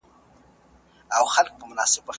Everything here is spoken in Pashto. که چا وويل چي ماته يا فلاني ته حرام حلال دي، کافر سو.